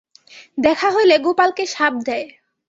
দেখা হইলে গোপালকে শাপ দেয়।